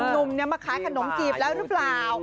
หนุ่มมาขายขนมจีบแล้วหรือเปล่า